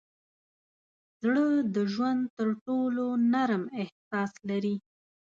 زړه د ژوند تر ټولو نرم احساس لري.